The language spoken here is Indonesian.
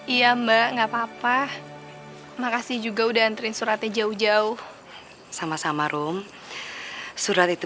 iya mbak nggak papa makasih juga udah anterin suratnya jauh jauh sama sama room surat itu